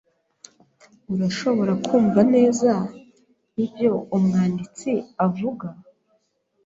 Urashobora kumva neza ibyo umwanditsi avuga?